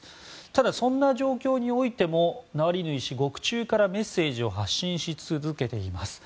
ただ、そんな状況においてもナワリヌイ氏獄中からメッセージを発信し続けています。